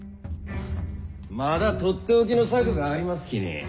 まだとっておきの策がありますきに。